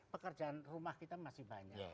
pekerjaan rumah kita masih banyak